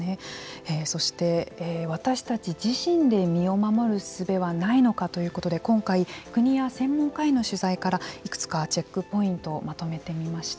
そして、私たち自身で身を守るすべはないのかということで今回、国や専門家への取材からいくつかチェックポイントをまとめてみました。